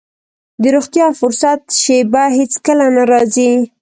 د روغتيا او فرصت شېبه هېڅ کله نه راځي.